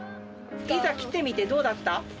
いざ切ってみてどうだった？